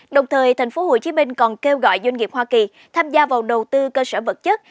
đồng thời thành phố hồ chí minh còn kêu gọi doanh nghiệp hoa kỳ tham gia vào đầu tư cơ sở vật chất